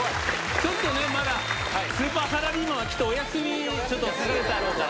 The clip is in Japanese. ちょっとね、まだスーパーサラリーマンはちょっとお休みするだろうから、